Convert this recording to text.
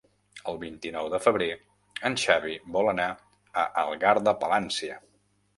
El vint-i-nou de febrer en Xavi vol anar a Algar de Palància.